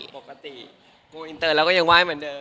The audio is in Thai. ปกติโมงอินเตอร์แล้วก็ยังไหว้เหมือนเดิม